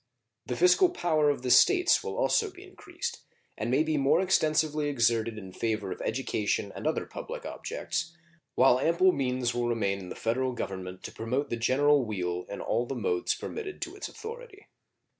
The fiscal power of the States will also be increased, and may be more extensively exerted in favor of education and other public objects, while ample means will remain in the Federal Government to promote the general weal in all the modes permitted to its authority.